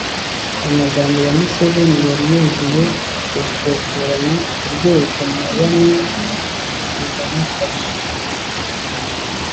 amagambo ya museveni yari yuzuye ubushotoranyi ku rwego na bamwe mu bamufasha